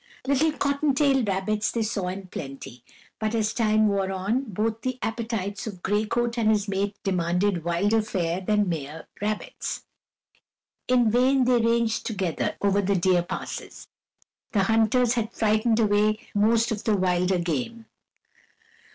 Little cottontail rabbits they saw in plenty, but, as time wore on, both the appetites of Gray Coat and his mate demanded wilder fare than mere rabbits. In vain they ranged together over the deer passes; the hunters had frightened away most of the wilder game.